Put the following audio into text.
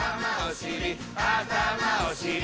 あたまおしり